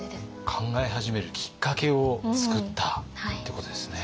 考え始めるきっかけを作ったってことですね。